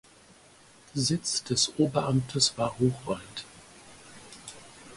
Sitz des Oberamtes war Hochwald.